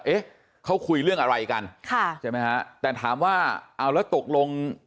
เอ๊ะเขาคุยเรื่องอะไรกันค่ะใช่ไหมฮะแต่ถามว่าเอาแล้วตกลง